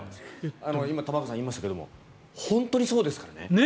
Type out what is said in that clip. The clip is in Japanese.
今、玉川さんが言いましたけど本当にそうですからね。